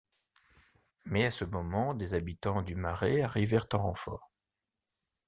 Mais à ce moment des habitants du marais arrivèrent en renfort.